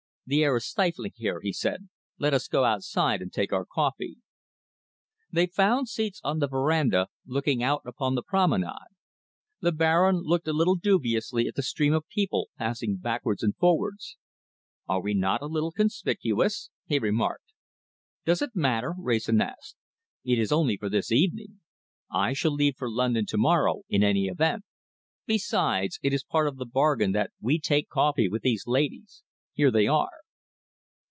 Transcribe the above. "The air is stifling here," he said. "Let us go outside and take our coffee." They found seats on the veranda, looking out upon the promenade. The Baron looked a little dubiously at the stream of people passing backwards and forwards. "Are we not a little conspicuous?" he remarked. "Does it really matter?" Wrayson asked. "It is only for this evening. I shall leave for London tomorrow, in any event. Besides, it is part of the bargain that we take coffee with these ladies. Here they are."